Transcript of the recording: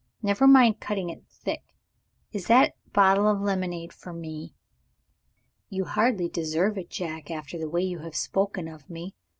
Never mind cutting it thick. Is that bottle of lemonade for me?" "You hardly deserve it, Jack, after the way you have spoken of me.